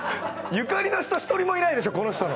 ゆかりの人、一人もいないでしょ、この人の。